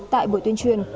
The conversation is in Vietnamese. tại buổi tuyên truyền